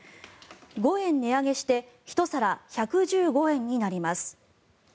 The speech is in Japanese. ５円値上げして１皿１１５円になります。